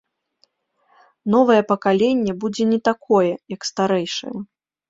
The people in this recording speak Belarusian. Новае пакаленне будзе не такое, як старэйшае.